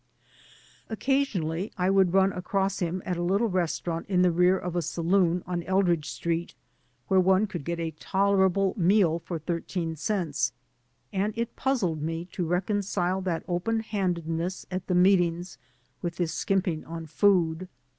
Occasionally I would run across him at a little restaurant in the rear of a saloon on Eldridge Street, where one could get a tolerable meal for thirteen cents, and it puzzled me to reconcile that open handedness at the meetings with this skimp ing on food.